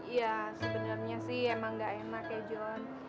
ya sebenernya sih emang gak enak ya jon